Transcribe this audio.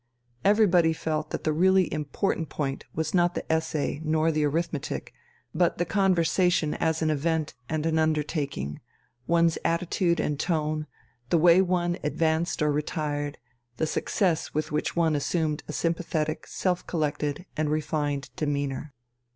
Everybody felt that the really important point was not the essay nor the arithmetic, but the conversation as an event and an undertaking, one's attitude and tone, the way one advanced or retired, the success with which one assumed a sympathetic, self collected, and refined demeanour.